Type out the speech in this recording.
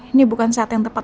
ini bukan saat yang tepat